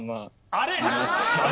あれ？